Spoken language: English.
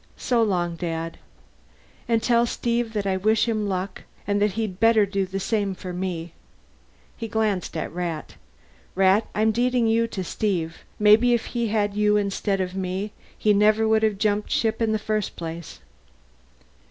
So long, Dad. And tell Steve that I wish him luck and that he'd better do the same for me." He glanced at Rat. "Rat, I'm deeding you to Steve. Maybe if he had had you instead of me, he never would have jumped ship in the first place."